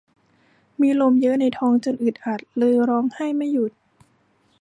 มีลมเยอะในท้องจนอึดอัดเลยร้องไห้ไม่หยุด